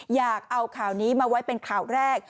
อยากเอาข่าวนี้มาไว้เป็นข่าวแรก